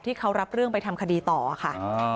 ที่เขารับเรื่องไปทำคดีต่อค่ะ